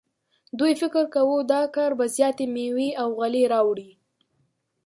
دوی فکر کاوه دا کار به زیاتې میوې او غلې راوړي.